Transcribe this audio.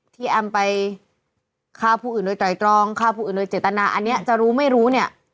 แอมไปฆ่าผู้อื่นโดยไตรตรองฆ่าผู้อื่นโดยเจตนาอันนี้จะรู้ไม่รู้เนี่ย